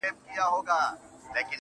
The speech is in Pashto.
زه خو پاچا نه؛ خپلو خلگو پر سر ووهلم